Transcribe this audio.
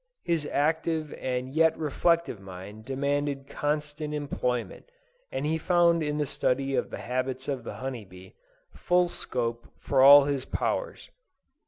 His active and yet reflective mind demanded constant employment; and he found in the study of the habits of the honey bee, full scope for all his powers.